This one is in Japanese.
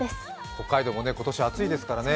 北海道も今年、暑いですからね。